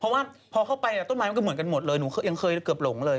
เพราะว่าพอเข้าไปต้นไม้มันก็เหมือนกันหมดเลยหนูยังเคยเกือบหลงเลย